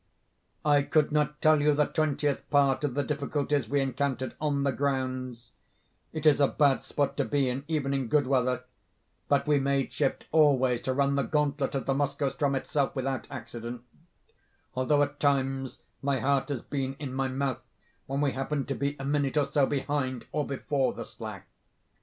"I could not tell you the twentieth part of the difficulties we encountered 'on the grounds'—it is a bad spot to be in, even in good weather—but we made shift always to run the gauntlet of the Moskoe ström itself without accident; although at times my heart has been in my mouth when we happened to be a minute or so behind or before the slack.